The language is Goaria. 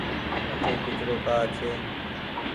اٺي ڪچرو ڪآ ڇي ۔